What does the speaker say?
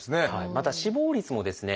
また死亡率もですね